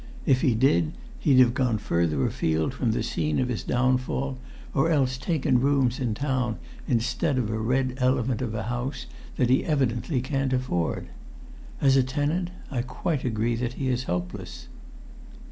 If he did, he'd have gone further afield from the scene of his downfall, or else taken rooms in town instead of a red elephant of a house that he evidently can't afford. As a tenant, I quite agree that he is hopeless."